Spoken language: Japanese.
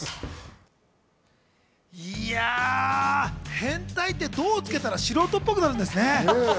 変態って「ド」をつけたら素人っぽくなるんですね。